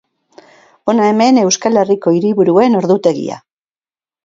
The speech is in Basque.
Hona hemen Euskal Herriko hiriburuen ordutegia.